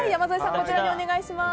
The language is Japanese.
こちらにお願いします。